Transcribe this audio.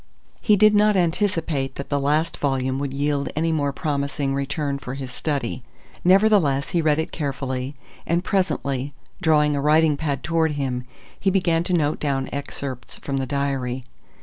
He did not anticipate that the last volume would yield any more promising return for his study. Nevertheless, he read it carefully, and presently drawing a writing pad toward him, he began to note down excerpts from the diary.